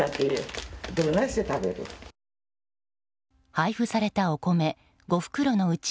配布されたお米５袋のうち